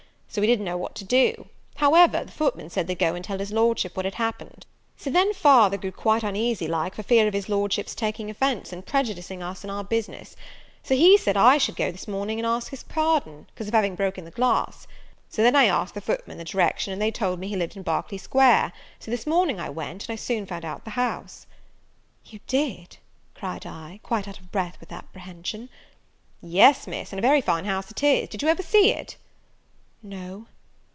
So we didn't know what to do; however, the footmen said they'd go and tell his Lordship what had happened. So then father grew quite uneasy like, for fear of his Lordship's taking offence, and prejudicing us in our business; so he said I should go this morning and ask his pardon, cause of having broke the glass. So then I asked the footmen the direction, and they told me he lived in Berkeley square; so this morning I went, and I soon found out the house." "You did!" cried I, quite out of breath with apprehension. "Yes, Miss, and a very fine house it is. Did you ever see it?" "No."